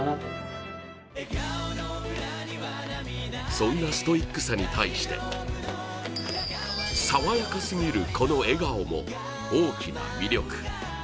そんなストイックさに対して爽やかすぎるこの笑顔も大きな魅力。